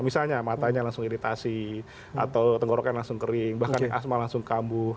misalnya matanya langsung iritasi atau tenggorokan langsung kering bahkan yang asma langsung kambuh